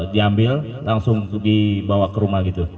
diambil langsung dibawa ke rumah gitu